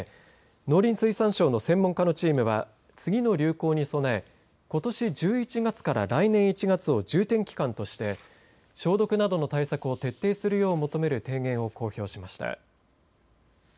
農林水産省の専門家のチームは次の流行に備えことし１１月から来年１月を重点期間として消毒などの対策を徹底するよう求める提言を公表しました。